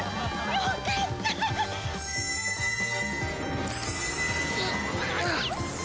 よかったー！